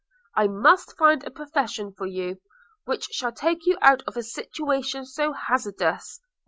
I must find a profession for you, which shall take you out of a situation so hazardous.